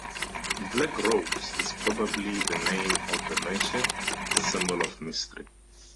"Black Rose" is probably the name of the mansion, the symbol of mystery.